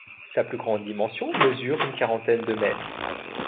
Sa plus grande dimension mesure une quarantaine de mètres.